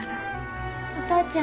お父ちゃん？